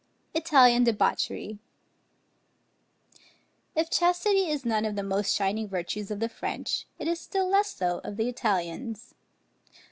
ITALIAN DEBAUCHERY. If chastity is none of the most shining virtues of the French, it is still less so of the Italians.